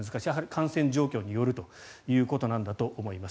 感染状況によるということなんだと思います。